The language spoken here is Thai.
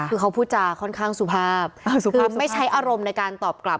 คือเขาพูดจาค่อนข้างสุภาพอ่าสุภาพสุภาพคือไม่ใช้อารมณ์ในการตอบกลับ